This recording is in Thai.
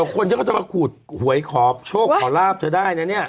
คนที่เขาจะมาขูดหวยขอโชคขอลาบเธอได้นะเนี่ย